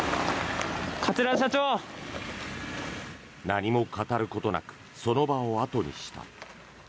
何も語ることなくその場を後にした。